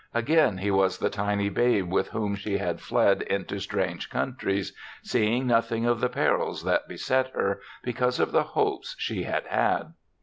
Again he was the tiny babe with whom she had fled into strange coun tries, seeing nothing of the perils that beset her because of the hopes she had had.